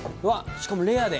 しかもレアで。